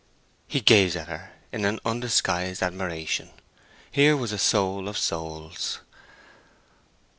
He gazed at her in undisguised admiration. Here was a soul of souls!